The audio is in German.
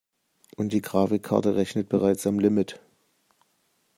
Und die Grafikkarte rechnet bereits am Limit.